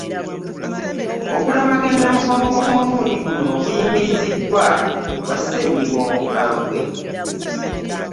Okulamaga e Namugongo ku mulundi guno kuyimiriziddwa lwa ssenyiga Omukambwe